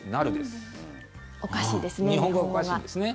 おかしいですね。